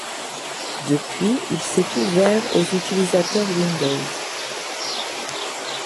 Depuis, il s'est ouvert aux utilisateurs Windows.